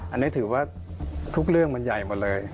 อันนี้ถือว่าทุกเรื่องมันใหญ่หมดเลย